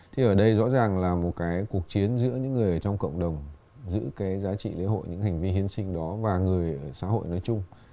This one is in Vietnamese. thì ở đây rõ ràng là một cái cuộc chiến giữa những người trong cộng đồng giữ cái giá trị lễ hội những hành vi hiên sinh đó và người xã hội nói chung